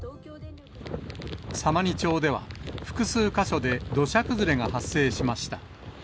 様似町では複数箇所で土砂崩れが発生しました。